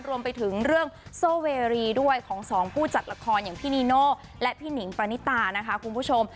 รวมไปถึงเรื่องโซเวรีด้วยของสองผู้จัดละครอย่างพี่นีโน่และพี่หนิงปณิตานะคะคุณผู้ชม